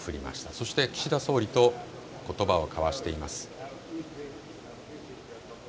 そして岸田総理とことばを交わしています。